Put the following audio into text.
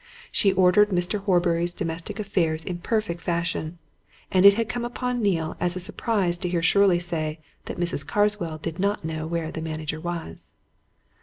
She ordered Mr. Horbury's domestic affairs in perfect fashion, and it had come upon Neale as a surprise to hear Shirley say that Mrs. Carswell did not know where the manager was.